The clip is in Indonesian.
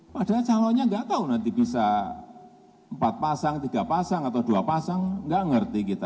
padahal calonnya nggak tahu nanti bisa empat pasang tiga pasang atau dua pasang nggak ngerti kita